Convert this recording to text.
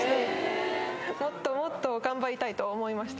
もっともっと頑張りたいと思いました。